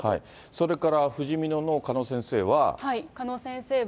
それからふじみのの鹿野先生は。